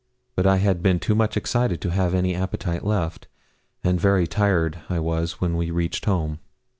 But I had been too much excited to have any appetite left, and very tired I was when we reached home.